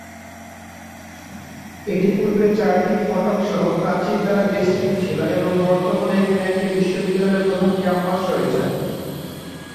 এটি পূর্বে চারটি ফটক সহ প্রাচীর দ্বারা বেষ্টিত ছিল এবং বর্তমানে এখানে একটি বিশ্ববিদ্যালয়ের প্রধান ক্যাম্পাস রয়েছে।